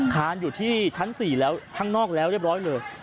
คานอยู่ที่ชั้น๔แล้วข้างนอกแล้วเรียบร้อยเลย